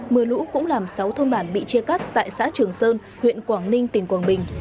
mưa lũ cũng làm sáu thôn bản bị chia cắt tại xã trường sơn huyện quảng ninh tỉnh quảng bình